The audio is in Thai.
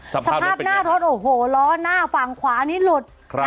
สภาพหน้ารถโอ้โหล้อหน้าฝั่งขวานี้หลุด